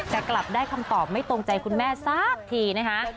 กลับได้คำตอบไม่ตรงใจคุณแม่สักทีนะคะ